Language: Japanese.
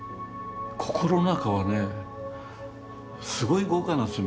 心の中はねすごい豪華なんですよ